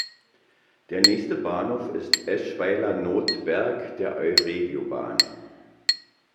Der nächste Bahnhof ist „Eschweiler-Nothberg“ der euregiobahn.